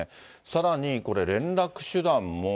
さらにこれ、連絡手段も。